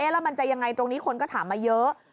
แล้วมันจะยังไงตรงนี้คนก็ถามมาเยอะ